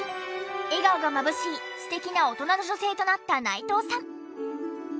笑顔がまぶしい素敵な大人の女性となった内藤さん。